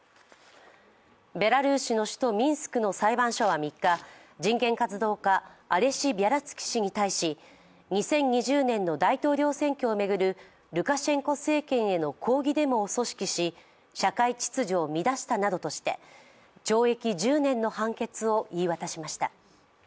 ベラルーシの首都ミンスクの裁判所は３日、人権活動家、アレシ・ビャリャツキ氏に対し２０２０年の大統領選挙を巡るルカシェンコ政権への抗議デモを組織し社会秩序を乱したなどとして懲役１０年の判決を言い渡しました。